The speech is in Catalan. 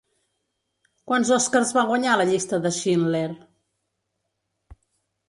Quants Oscars va guanyar La llista de Schindler?